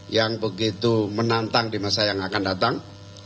yang begitu menantang di masa yang akan datang